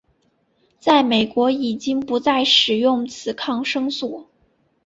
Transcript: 在美国已经不再使用此抗生素。